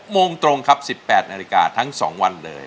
โมงตรงครับ๑๘นาฬิกาทั้ง๒วันเลย